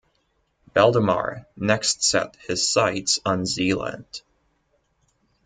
Valdemar next set his sights on Zealand.